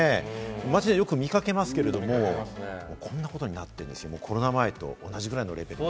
街でよく見掛けますけれども、こんなことになってるんですよ、コロナ前と同じぐらいのレベルに。